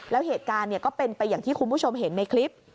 แล้วเหตุการณ์ก็เป็นไปอย่างที่คุณผู้ชมเห็นในคลิป